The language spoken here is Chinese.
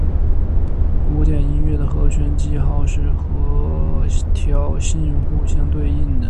古典音乐的和弦记号是和调性互相对应的。